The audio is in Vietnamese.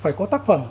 phải có tắc phẩm